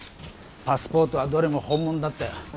パスポートはどれも本物だったよ。